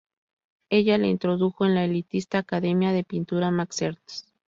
Ella le introdujo en la elitista academia de pintura Max Ernst.